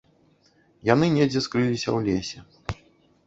Яны недзе скрыліся ў лесе.